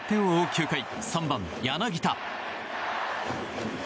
９回３番、柳田。